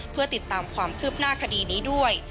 เพื่อติดตามความคืบหน้าคดีนี้ด้วย